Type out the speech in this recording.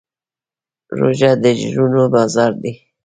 روژه د اجرونو بازار دی.